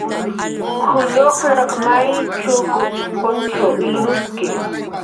"K""uw lluqllaq may chukup punch ilruski"